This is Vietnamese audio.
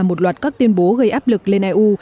một loạt các tuyên bố gây áp lực lên eu